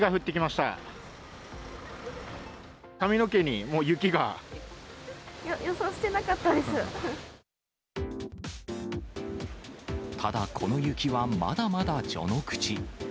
ただ、この雪はまだまだ序の口。